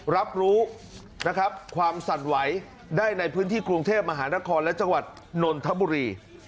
รับรู้นะครับความสั่นไหวได้ในพื้นที่กรุงเทพมหานครและจังหวัดนนทบุรี